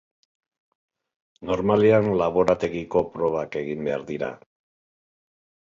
Normalean laborategiko probak egin behar dira.